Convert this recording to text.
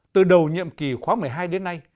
từ đầu nhiệm kỳ khóa một mươi hai đến nay